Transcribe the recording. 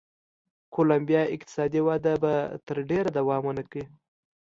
کولمبیا اقتصادي وده به تر ډېره دوام و نه کړي.